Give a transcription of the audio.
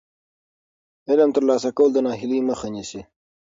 علم ترلاسه کول د ناهیلۍ مخه نیسي.